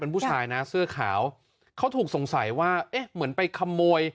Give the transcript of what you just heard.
ผู้ชายนะเสื้อขาวเขาถูกสงสัยว่าเอ๊ะเหมือนไปขโมย